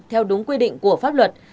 theo đúng quy định của pháp luật